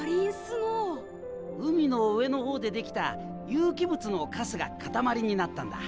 海の上の方でできた有機物のカスが塊になったんだ。